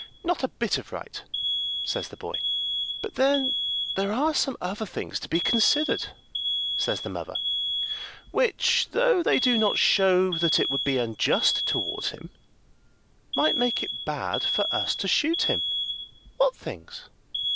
"Not a bit of right," says the boy. "But then there are some other things to be considered," says the mother, "which, though they do not show that it would be unjust towards him, might make it bad for us to shoot him." "What things?"